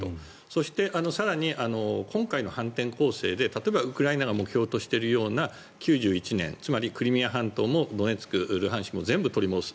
そして更に今回の反転攻勢で例えばウクライナが目標としているような９１年、つまりクリミア半島もドネツク、ルハンシクも全部取り戻す。